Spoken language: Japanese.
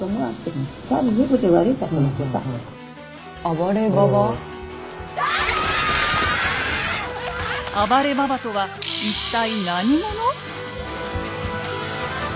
「暴れババ」とは一体何者？